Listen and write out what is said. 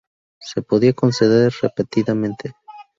Se podía conceder repetidamente.